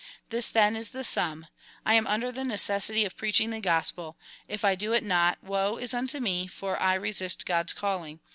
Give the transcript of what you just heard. This then is the sum :" I am under the necessity of preaching the gospel : if I do it not, Avo is unto me, for I resist God's calling.